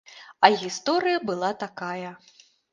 А гісторыя была такая.